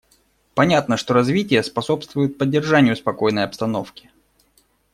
Понятно, что развитие способствует поддержанию спокойной обстановки.